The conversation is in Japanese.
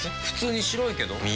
普通に白いけど。